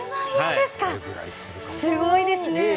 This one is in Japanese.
すごいですね。